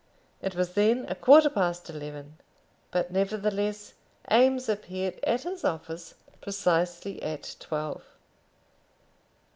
It was then a quarter past eleven, but, nevertheless, Eames appeared at his office precisely at twelve.